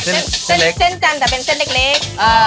เส้นนั้นขึ้นเป็นเส้นเล็ก